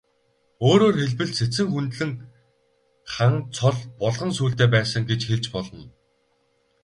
Өөрөөр хэлбэл, Сэцэн хүндлэн хан цол булган сүүлтэй байсан гэж хэлж болно.